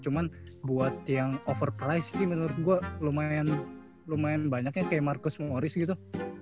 cuman buat yang over price sih menurut gua lumayan banyaknya kayak marcus morris gitu